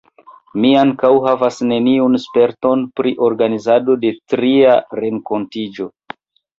Mi ankaŭ havas neniun sperton pri organizado de tia renkontiĝo.